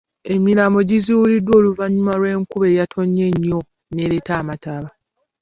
Emirambo gizuuliddwa oluvannyuma lw'enkuba eyatonnye ennyo n'ereeta amataba.